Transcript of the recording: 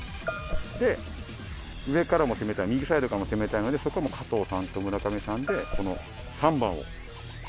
で上からも攻めたい右サイドからも攻めたいのでそこは加藤さんと村上さんでこの３番を。